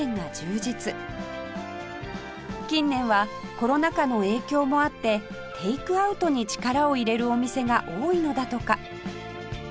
近年はコロナ禍の影響もあってテイクアウトに力を入れるお店が多いのだとか